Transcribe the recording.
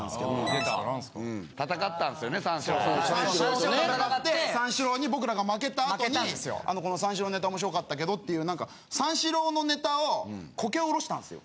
三四郎さんとね・三四郎と戦って三四郎に僕らが負けた後にこの三四郎のネタ面白かったけどっていう何か三四郎のネタをこき下ろしたんすよ。